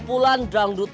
hidih malah kabur